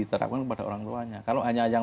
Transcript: diterapkan kepada orang tuanya kalau hanya yang